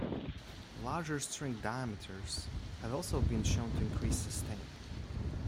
Larger string diameters have also been shown to increase sustain.